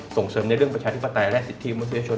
ส่งเสริมในเรื่องประชาธิปไตยและสิทธิมนุษยชน